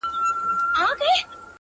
• پکښي بند سول د مرغانو وزرونه -